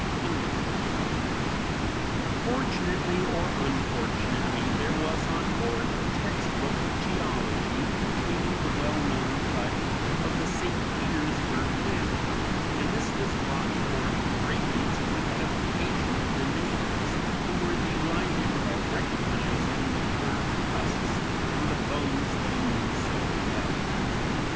_ Fortunately, or unfortunately, there was on board a text book of geology containing the well known cut of the St. Petersburg mammoth, and this was brought forth, greatly to the edification of the natives, who were delighted at recognizing the curved tusks and the bones they knew so well.